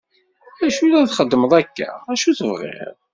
Acu la txeddmeḍ akka? acu tebɣiḍ?